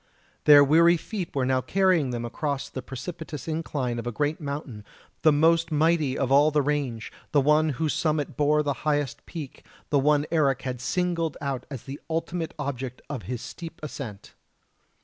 Their weary feet were now carrying them across the precipitous incline of a great mountain, the most mighty of all the range, the one whose summit bore the highest peak, the one Eric had singled out as the ultimate object of his steep ascent.